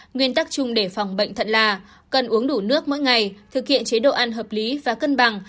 nguyên tắc chung để phòng bệnh thận là cần uống đủ nước mỗi ngày thực hiện chế độ ăn hợp lý và cân bằng